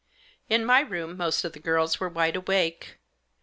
In my room most of the girls were wide awake.